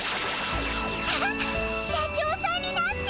あはっ社長さんになってる！